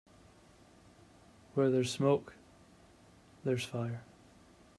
Where there's smoke there's fire.